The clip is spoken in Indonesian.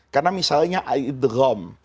karena misalnya idhram